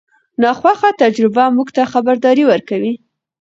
ناخوښه تجربه موږ ته خبرداری ورکوي.